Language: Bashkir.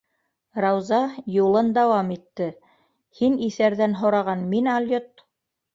- Рауза юлын дауам итте. - һин иҫәрҙән һораған мин алйот!